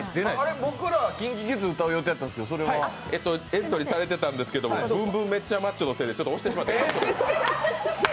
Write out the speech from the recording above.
僕らＫｉｎＫｉＫｉｄｓ、歌う予定やったんですけどそれはえーと、エントリーされてたんですけど「ＢｏｏｍＢｏｏｍめっちゃマッチョ！」でちょっと押してしまって。